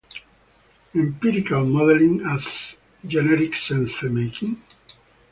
Empirical Modelling as generic sense-making?